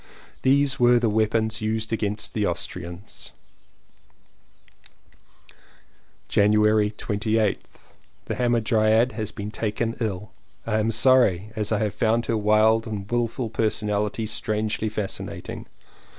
These were the weapons used against the Austrians. 231 CONFESSIONS OF TWO BROTHERS January 28th. The Hamadryad has been taken ill. I am sorry, as I have found her wild and wilful personality strangely fascinating.